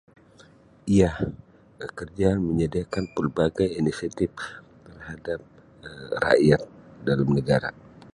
Ya, Um kerja menyediakan pelbagai inisiatif terhadap rakyat dalam negara.